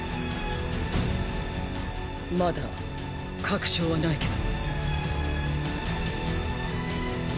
まだ確証はないけど。